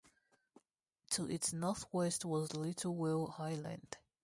To its northwest was Little Whale Island.